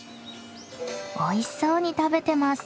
おいしそうに食べてます。